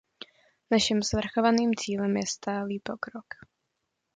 Našim svrchovaným cílem je stálý pokrok.